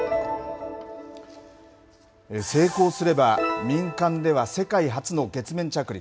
成功すれば、民間では世界初の月面着陸。